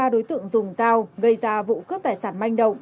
ba đối tượng dùng dao gây ra vụ cướp tài sản manh động